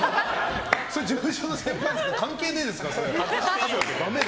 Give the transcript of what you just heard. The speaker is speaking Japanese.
それ事務所の先輩とか関係ねえですから、それ。